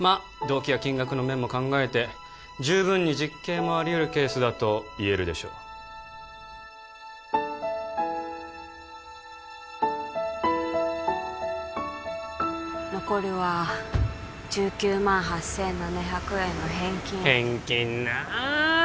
動機や金額の面も考えて十分に実刑もありえるケースだといえるでしょう残るは１９万８７００円の返金返金なあ